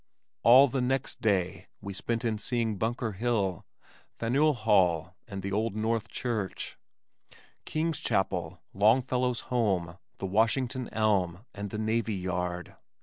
All "the next day" we spent in seeing Bunker Hill, Faneuil Hall, the old North Church, King's Chapel, Longfellow's home, the Washington Elm, and the Navy Yard.